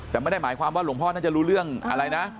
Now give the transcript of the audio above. แต่ไม่ได้หมายความว่าหลวงพ่อน่าจะรู้เรื่องอะไรนะ